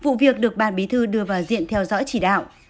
vụ việc được ban bí thư đưa vào diện theo dõi chỉ đạo